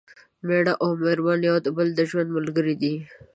مېړه او مېرمن یو د بل د ژوند ملګري دي